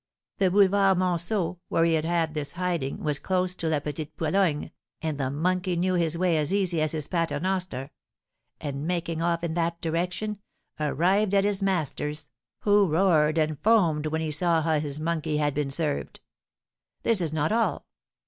The Boulevard Monceaux, where he had had this hiding, was close to La Petite Pologne, and the monkey knew his way as easy as his paternoster; and, making off in that direction, arrived at his master's, who roared and foamed when he saw how his monkey had been served. This is not all.